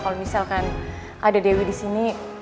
kalo misalkan ada dewi disini